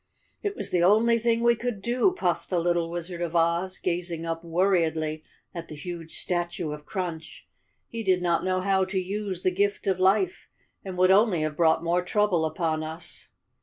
"It was the only thing we could do," puffed the little Wizard of Oz, gazing up worriedly at the huge statue of Crunch. "He did not know how to use the gift of life, and would only have brought more trouble upon us."